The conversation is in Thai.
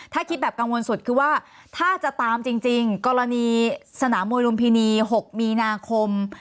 ถ้าคิดแบบกังวลสุดคือว่าถ้าจะตามจริงกรณีสนามมวยลุมพินี๖มีนาคม